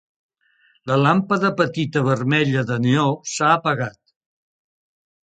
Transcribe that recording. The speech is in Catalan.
La làmpada petita vermella de neó s'ha apagat.